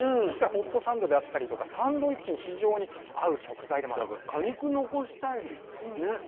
ですからホットサンドであったりとかサンドイッチに非常に合う食材でもあるんですよね。